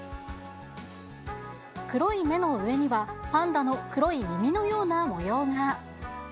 黒い目の上には、パンダの黒い耳のような模様が。